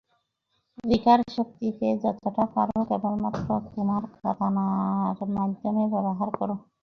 Recur শক্তিকে যতটা পারো কেবলমাত্র তোমার কাতানার মাধ্যমে ব্যবহার করো।